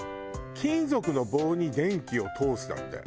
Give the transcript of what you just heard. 「金属の棒に電気を通す」だって。